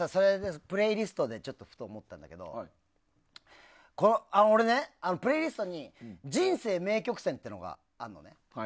プレイリストでふと思ったんだけど俺ね、プレイリストに人生名曲選っていうのがあるのね。